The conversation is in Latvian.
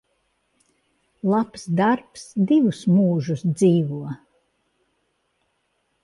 Labs darbs divus mūžus dzīvo.